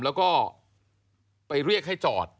แล้วก็ไปเรียกให้จอด